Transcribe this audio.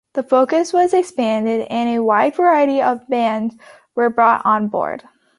The focus was expanded and a wider variety of bands were brought on board.